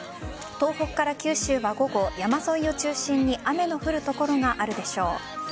東北から九州は午後山沿いを中心に雨の降る所があるでしょう。